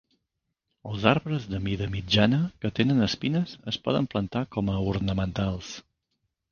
Els arbres de mida mitjana que tenen espines es poden plantar com a ornamentals.